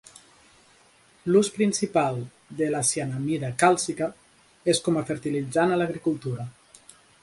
L"ús principal de la cianamida càlcica és com a fertilitzant a l"agricultura.